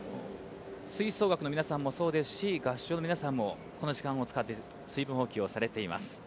吹奏楽の皆さんも合唱の皆さんもこの時間を使って、水分補給をされています。